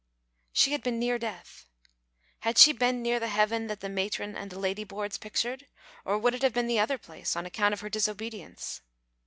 She had been near death. Had she been near the heaven that the matron and the "lady boards" pictured, or would it have been the other place, on account of her disobedience?